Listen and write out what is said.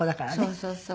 そうそうそう。